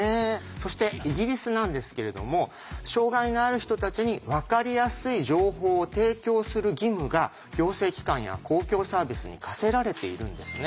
そしてイギリスなんですけれども障害のある人たちにわかりやすい情報を提供する義務が行政機関や公共サービスに課せられているんですね。